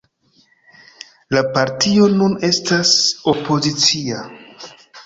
La partio nun estas opozicia.